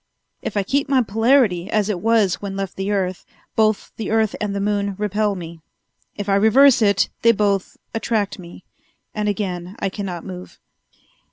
If I keep my polarity as it was when left the earth, both the earth and the moon repel me. If I reverse it, they both attract me, and again I cannot move.